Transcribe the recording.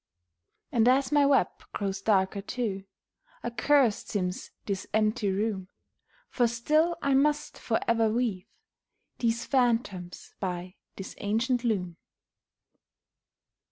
And as my web grows darker too, Accursed seems this empty room; For still I must forever weave These phantoms by this ancient loom.